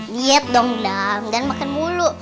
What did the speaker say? diet dong dan makan mulu